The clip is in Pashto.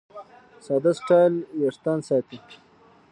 ساده سټایل وېښتيان ساتي.